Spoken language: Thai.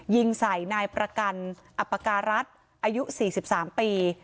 ยิงใส่นายประกันอัปการัฐอายุสี่สิบสามปี